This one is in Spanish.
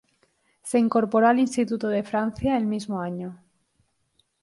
Se incorporó al Instituto de Francia el mismo año.